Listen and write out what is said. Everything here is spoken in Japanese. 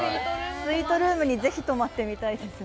スイートルームにぜひ泊まってみたいですね。